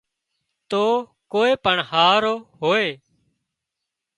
تو ڪوئي پڻ هاهرو هوئي